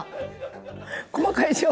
細かいでしょ？